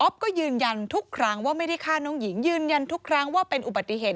ก็ยืนยันทุกครั้งว่าไม่ได้ฆ่าน้องหญิงยืนยันทุกครั้งว่าเป็นอุบัติเหตุ